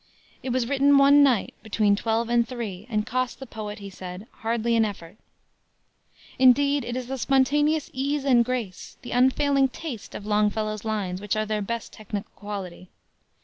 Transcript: It was written one night between twelve and three, and cost the poet, he said, "hardly an effort." Indeed, it is the spontaneous ease and grace, the unfailing taste of Longfellow's lines, which are their best technical quality.